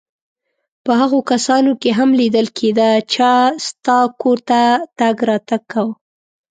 په هغو کسانو کې هم لیدل کېده چا ستا کور ته تګ راتګ کاوه.